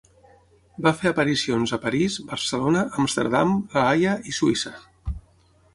Va fer aparicions a París, Barcelona, Amsterdam, La Haia i Suïssa.